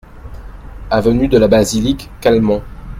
Avenue de la Basilique, Calmont